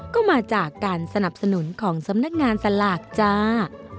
ก็มาจากการสนับสนุนของสำนักงานสลากจ้า